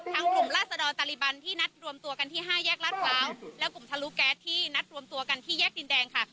กลุ่มราศดรตะลิบันที่นัดรวมตัวกันที่ห้าแยกลาดพร้าวและกลุ่มทะลุแก๊สที่นัดรวมตัวกันที่แยกดินแดงค่ะ